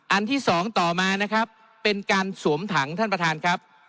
ที่สองต่อมานะครับเป็นการสวมถังท่านประธานครับ